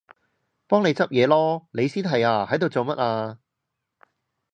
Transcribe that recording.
幫你執嘢囉！你先係啊，喺度做乜啊？